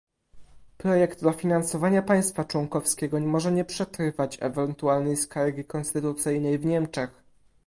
Projekt dofinansowania państwa członkowskiego może nie przetrwać ewentualnej skargi konstytucyjnej w Niemczech